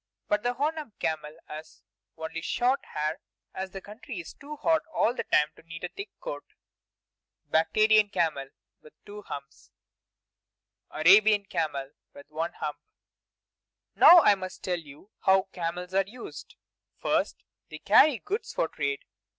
But the One Hump camel has only short hair, as the country is too hot all the time to need a thick coat. [Illustration: Bactrian Camel with Two Humps] [Illustration: Arabian Camel with One Hump] Now I must tell you how camels are used. First, they carry goods for trade.